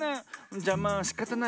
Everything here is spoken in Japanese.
じゃまあしかたないわ。